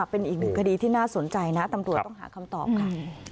เป็นอีกหนึ่งคดีที่น่าสนใจนะตำรวจต้องหาคำตอบค่ะ